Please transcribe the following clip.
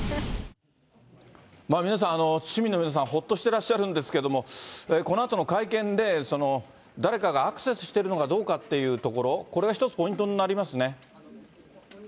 皆さん、市民の皆さん、ほっとしてらっしゃるんですけど、このあとの会見で、誰かがアクセスしてるのかどうかっていうところ、これが一つポイントになりますね。